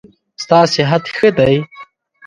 ستا صحت ښه دی؟